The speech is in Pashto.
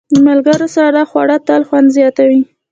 د ملګرو سره خواړه تل خوند زیاتوي.